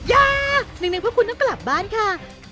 ย่านึกนึกเพราะคุณต้องกลับบ้านค่ะ